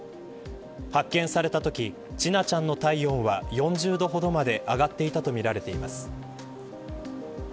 発見されたとき千奈ちゃんの体温は４０度ほどまで上がっていたとみられています。